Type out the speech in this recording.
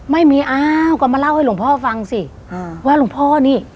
ไม่มีอ้าวก็มาเล่าให้หลวงพ่อฟังสิอ่าว่าหลวงพ่อนี่